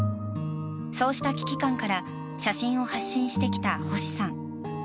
そうした危機感から写真を発信してきた星さん。